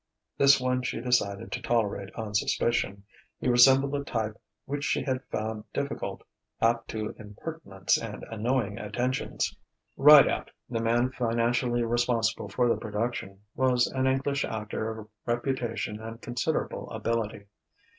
This one she decided to tolerate on suspicion; he resembled a type which she had found difficult, apt to impertinence and annoying attentions. Rideout, the man financially responsible for the production, was an English actor of reputation and considerable ability.